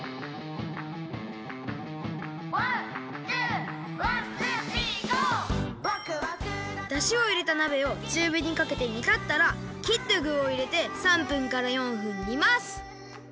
「ワンツーワンツースリーＧＯ！」だしをいれたなべをちゅうびにかけてにたったらきったぐをいれて３分から４分にます！